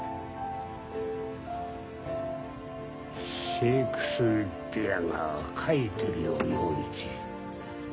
シェークスピアが書いてるよ洋一。